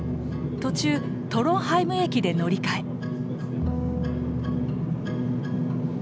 途中トロンハイム駅で乗り換え。